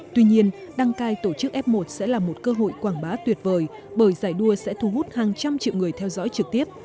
tuy nhiên đăng cai tổ chức f một sẽ là một cơ hội quảng bá tuyệt vời bởi giải đua sẽ thu hút hàng trăm triệu người theo dõi trực tiếp